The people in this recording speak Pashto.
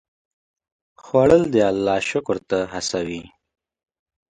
خوړل د الله شکر ته هڅوي